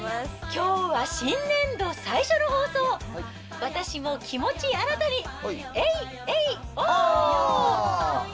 きょうは新年度最初の放送、私も気持ち新たに、